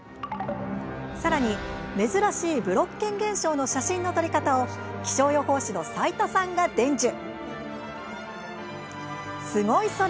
さらに、珍しいブロッケン現象の写真の撮り方を気象予報士の斉田さんが伝授。